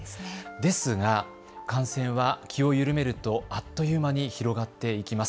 ですが感染は気を緩めるとあっという間に広がっていきます。